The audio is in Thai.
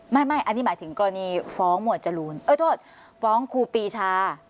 ไม่อันนี้หมายถึงกรณีฟ้องหมวดจรูนโทษฟ้องครูปีชา